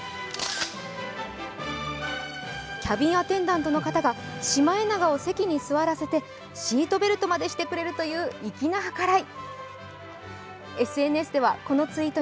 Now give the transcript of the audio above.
キャビンアテンダントの方がシマエナガを席に座らせてシートベルトまでしてくれるという粋な計らい。